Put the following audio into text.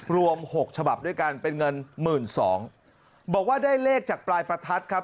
หกฉบับด้วยกันเป็นเงินหมื่นสองบอกว่าได้เลขจากปลายประทัดครับ